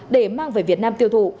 để mang về việt nam tiêu thụ